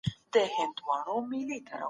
احمد شاه ابدالي ولې ترکیې ته استازي ولېږل؟